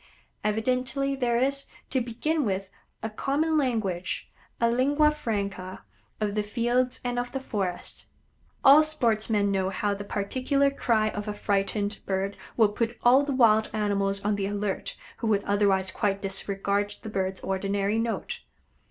Evidently there is, to begin with, a common language a lingua franca of the fields and of the forests. All sportsmen know how the particular cry of a frightened bird will put all the wild animals on the alert who would otherwise quite disregard the bird's ordinary note.